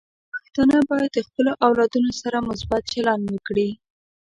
پښتانه بايد د خپلو اولادونو سره مثبت چلند وکړي.